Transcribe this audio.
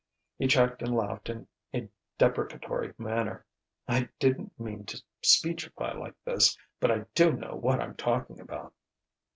He checked and laughed in a deprecatory manner. "I didn't mean to speechify like this, but I do know what I'm talking about."